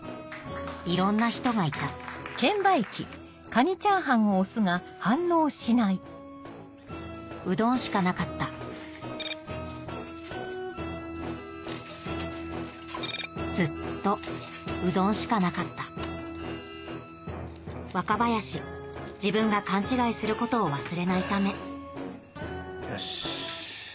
いろんな人がいたうどんしかなかったずっとうどんしかなかった若林自分が勘違いすることを忘れないためよし。